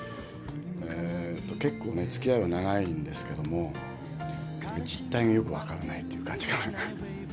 えっと結構ねつきあいは長いんですけども実体がよく分からないという感じかな。